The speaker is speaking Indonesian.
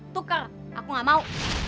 tuker aku gak mau